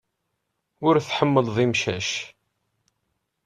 Ur tḥemmleḍ imcac.